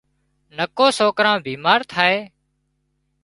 نڪو سوڪران بيمار ٿائي